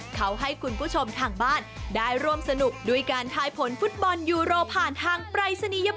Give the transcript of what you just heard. เขาให้คุณผู้ชมทางบ้านได้ร่วมสนุกด้วยการทายผลฟุตบอลยูโรผ่านทางปรายศนียบร